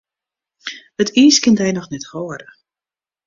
It iis kin dy noch net hâlde.